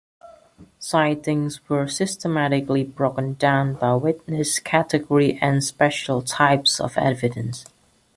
Sightings were systematically broken down by witness category and special types of evidence.